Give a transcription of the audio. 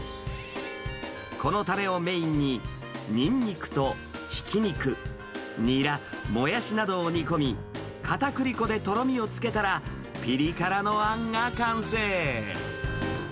このたれをメインに、ニンニクとひき肉、ニラ、モヤシなどを煮込み、かたくり粉でとろみをつけたら、ぴり辛のあんが完成。